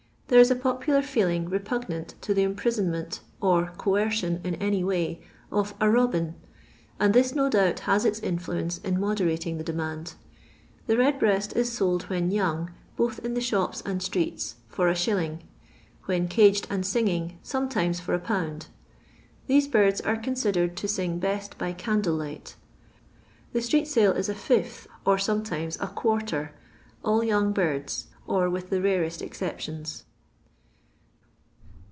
There is a popular feeling repugnant to the imprisonment, or coercion in any way, of a robin,*' and this, no doubt has its influence in moderating the demand, 'i he redbreast is sold, when young, both in the shops and streets for li., when caged and singing, sometimes fur 1/. These birds are considered to sing best by candlelight The street sale is a fifth, or sometimes a quarter, all young birds, or with the rarest exceptions.